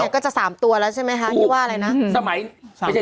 แต่ก็จะ๓ตัวใช่ไหมครับ